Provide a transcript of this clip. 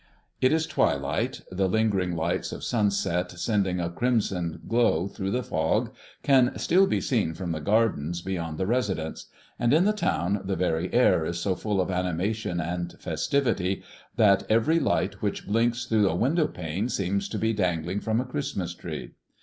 It is twilight. The lingering lights of sunset, sending a crimson glow through the fog, can still be seen from the gardens beyond the Residence; and in the town the very air is so full of animation and festivity that every light which blinks through a window pane seems to be dangling from a Christmas tree.